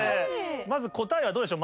まず答えはどうでしょう？